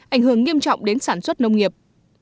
ảnh hưởng nghiêm trọng đến sản xuất nông nghiệp